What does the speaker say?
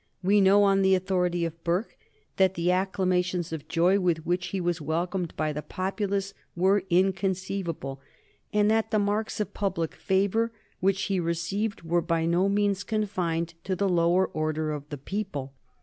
We know on the authority of Burke that the acclamations of joy with which he was welcomed by the populace were inconceivable, and that the marks of public favor which he received were by no means confined to the lower order of the people.